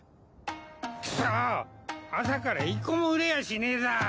くそ朝から１個も売れやしねえだ。